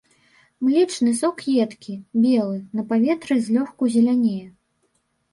Млечны сок едкі, белы, на паветры злёгку зелянее.